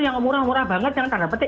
yang murah murah banget yang tanda petik